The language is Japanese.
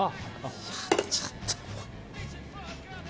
やっちゃった。